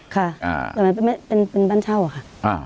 ค่ะแต่มันเป็นบ้านเช่าหรอค่ะ